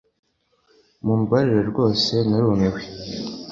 Mumbabarire rwose narumiwe